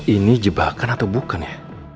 ini jebakan atau bukan ya